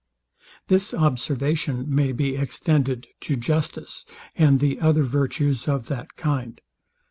This observation may be extended to justice, and the other virtues of that kind.